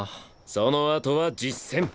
そのあとは実戦。